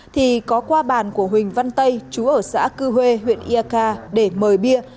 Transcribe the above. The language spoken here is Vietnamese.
thì có qua bàn của huỳnh văn tây chú ở xã cư huê huyện iak để mời bia